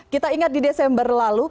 kita ingat di desember lalu